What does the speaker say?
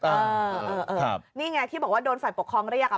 นี่ไงที่บอกว่าโดนฝ่ายปกครองเรียกอ่ะ